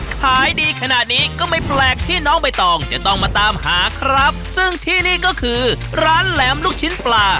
ขายดีขนาดนี้ก็ไม่แปลกที่น้องใบตองจะต้องมาตามหาครับซึ่งที่นี่ก็คือร้านแหลมลูกชิ้นปลา